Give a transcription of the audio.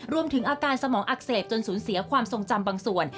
รวมถึงอาการสมองอักเสบจนสูญเสียความทรงจำบางส่วน